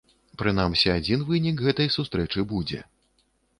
Прынамсі, адзін вынік гэтай сустрэчы будзе.